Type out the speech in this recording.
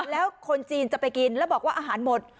แล้วคนจีนจะไปกินแล้วบอกว่าอาหารหมด